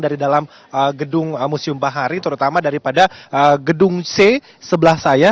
dari dalam gedung museum bahari terutama daripada gedung c sebelah saya